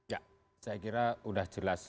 ya saya kira sudah jelas